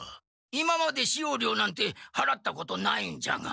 今まで使用料なんてはらったことないんじゃが。